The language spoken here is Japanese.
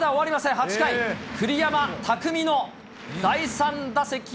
８回、栗山巧の第３打席。